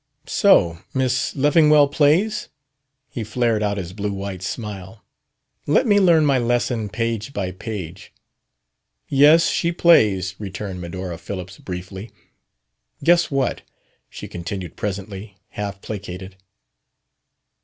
"So Miss Leffingwell plays?" He flared out his blue white smile. "Let me learn my lesson page by page." "Yes, she plays," returned Medora Phillips briefly. "Guess what," she continued presently, half placated.